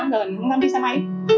đã năm giờ mình không dám đi xe máy